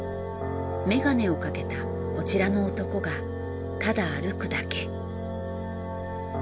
メガネをかけたこちらの男がただ歩くだけ。